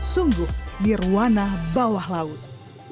sungguh di ruanah bawah laut